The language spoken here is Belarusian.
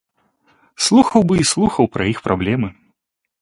Слухаў бы і слухаў пра іх праблемы.